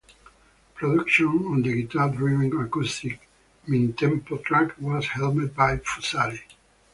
Production on the guitar-driven acoustic midtempo track was helmed by Fusari.